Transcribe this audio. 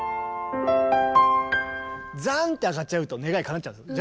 ざんって上がっちゃうと願いかなっちゃうんですよ。